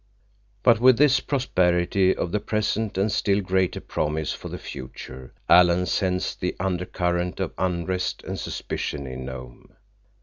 But with this prosperity of the present and still greater promise for the future Alan sensed the undercurrent of unrest and suspicion in Nome.